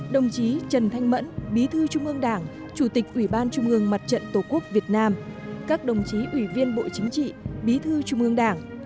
đồng chí trần thanh mẫn bí thư trung ương đảng chủ tịch ủy ban trung ương mặt trận tổ quốc việt nam các đồng chí ủy viên bộ chính trị bí thư trung ương đảng